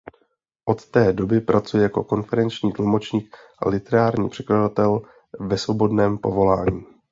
Od té doby pracuje jako konferenční tlumočník a literární překladatel ve svobodném povolání.